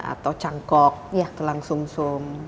atau cangkok tulang sum sum